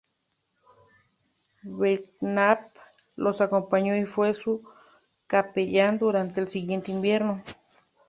Belknap los acompañó y fue su capellán durante el siguiente invierno.